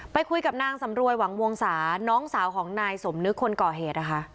ไปคุยกับนางสำรวยหวังวงศาน้องสาวของนายสมนึกคนก่อเหตุนะคะ